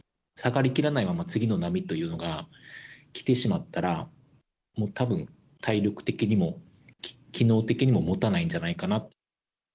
下がりきらないまま、次の波というのが来てしまったら、たぶん、体力的にも、機能的にももたないんじゃないかな。